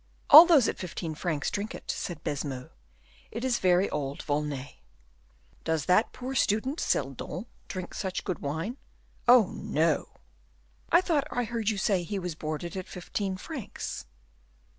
"All those at fifteen francs drink it," said Baisemeaux. "It is very old Volnay." "Does that poor student, Seldon, drink such good wine?" "Oh, no!" "I thought I heard you say he was boarded at fifteen francs."